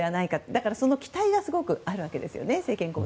だから政権交代の期待がすごくあるわけです。